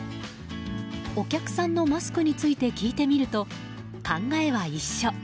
お客さんのマスクについて聞いてみると、考えは一緒。